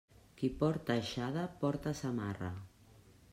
Qui porta aixada porta samarra.